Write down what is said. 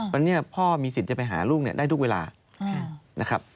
วันนี้พ่อมีสิทธิ์จะไปหาลูกได้ทุกเวลานะครับ